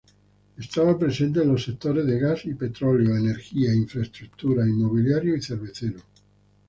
Estaba presente en los sectores de gas y petróleo, energía, infraestructuras, inmobiliario y cervecero.